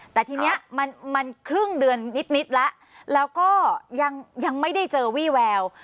แต่ทีนี้มันครึ่งเดือนนิดแล้วแล้วก็ยังไม่ได้เจอวี่แวว